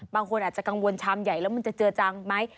บางคนอาจจะกังวลชามใหญ่แล้วมันจะเจือจังไหม